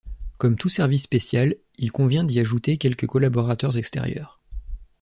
Comme tout service spécial, il convient d'y ajouter quelque collaborateurs extérieurs.